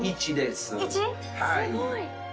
すごい！